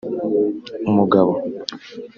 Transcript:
umugabo